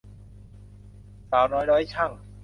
สาวน้อยร้อยชั่ง